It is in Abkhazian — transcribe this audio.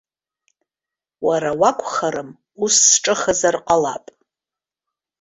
Уара уакәхарым, ус сҿыхазар ҟалап.